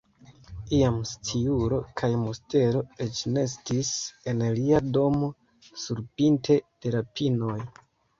Iam sciuro kaj mustelo eĉ nestis en lia domo surpinte de la pinoj.